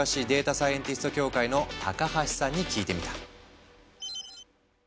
サイエンティスト協会の高橋さんに聞いてみた。